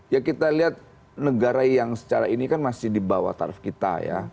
ya kita lihat negara yang secara ini kan masih di bawah tarif kita ya